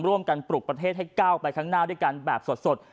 ปลุกประเทศให้ก้าวไปข้างหน้าด้วยกันแบบสด